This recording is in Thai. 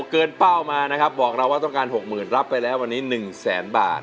เกินเป้ามานะครับบอกเราว่าต้องการ๖๐๐๐รับไปแล้ววันนี้๑แสนบาท